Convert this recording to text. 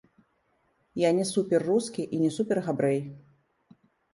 Я не супер-рускі і не супер-габрэй.